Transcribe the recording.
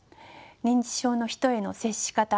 認知症の人への接し方